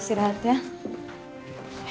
mama sekarang istirahat ya